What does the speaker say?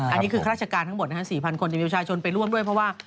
อันนี้คือราชการทั้งหมดนะฮะ๔๐๐๐คนที่เมียวชายชนไปร่วงด้วยเพราะว่า